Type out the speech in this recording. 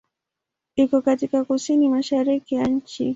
Iko katika kusini-mashariki ya nchi.